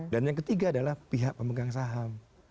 dan yang ketiga adalah pihak pemegang saham